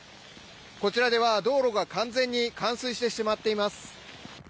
こちらでは道路が完全に冠水してしまっています。